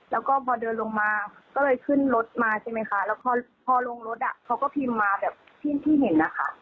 แล้วก็พอเดินลงมาก็เลยขึ้นรถมาใช่ไหมคะแล้วพอลงรถอ่ะเขาก็พิมพ์มาแบบที่เห็นนะคะ